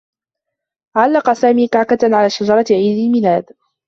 علّق سامي كعكة على شجرة عيد الميلاد.